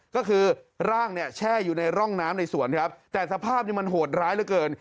ก็คือร่างเนี่ยแช่อยู่ในร่องน้ำในสวนครับแต่สภาพนี้มันโหดร้ายเหลือเกิน